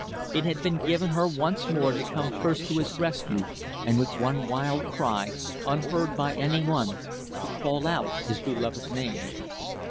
It had been given her once more to come first to his rescue, and with one wild cry, unheard by any one, to call out his beloved name.